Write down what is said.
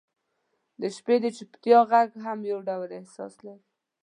• د شپې د چوپتیا ږغ هم یو ډول احساس لري.